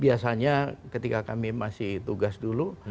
biasanya ketika kami masih tugas dulu